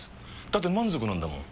だって満足なんだもん。